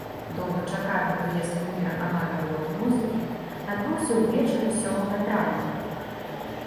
Доўгачаканы прыезд куміра аматараў рок-музыкі адбыўся ўвечары сёмага траўня.